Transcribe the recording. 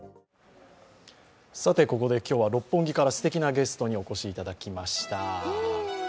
さてここで今日は六本木からすてきなゲストにお越しいただきました。